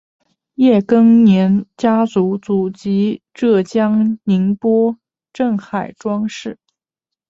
叶庚年家族祖籍浙江宁波镇海庄市。